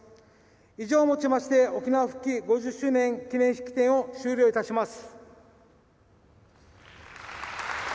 以上を持ちまして「沖縄復帰５０周年記念式典」を終了いたします。